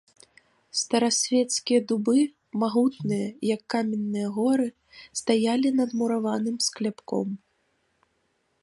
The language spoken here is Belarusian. Старасвецкія дубы, магутныя, як каменныя горы, стаялі над мураваным скляпком.